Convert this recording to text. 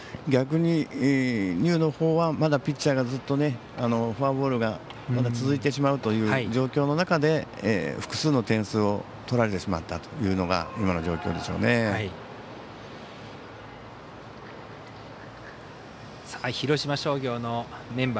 逆に丹生のほうはピッチャーがずっとフォアボールが続いてしまうという状況の中で複数の点数を取られてしまったというのが今の状況でしょうね。